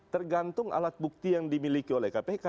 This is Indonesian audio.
tergantung alat bukti yang dimiliki oleh kpk